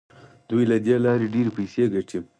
دوی له دې لارې ډیرې پیسې ګټي.